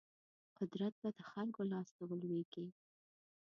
قدرت به د خلکو لاس ته ولویږي.